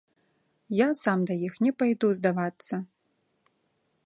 Я сам да іх не пайду здавацца.